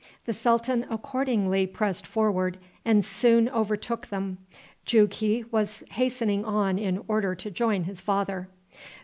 The sultan accordingly pressed forward and soon overtook them. Jughi was hastening on in order to join his father.